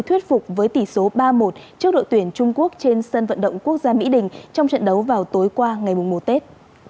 thuyết phục với tỷ số ba một trước đội tuyển trung quốc trên sân vận động quốc gia mỹ đình trong trận đấu vào tối qua ngày một tết